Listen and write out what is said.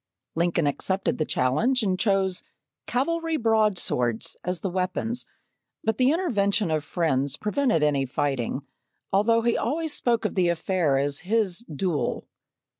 Lincoln accepted the challenge and chose "cavalry broadswords" as the weapons, but the intervention of friends prevented any fighting, although he always spoke of the affair as his "duel."